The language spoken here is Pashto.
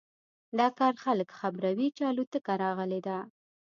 دا کار خلک خبروي چې الوتکه راغلی ده